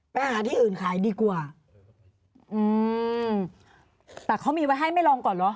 ไปหาที่อื่นขายดีกว่าอืมแต่เขามีไว้ให้ไม่ลองก่อนเหรอ